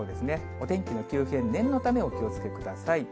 お天気の急変、念のためお気をつけください。